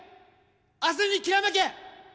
明日にきらめけ！